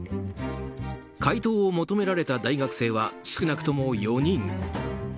解答を求められた大学生は少なくとも４人。